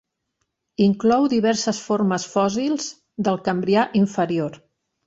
Inclou diverses formes fòssils del Cambrià inferior.